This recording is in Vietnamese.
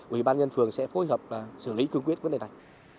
ủy ban nhân phường sẽ phối hợp xử lý cương quyết vấn đề này